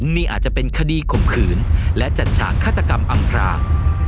นี่อาจจะเป็นคดีข่มขืนและจัดฉากฆาตกรรมอำพราง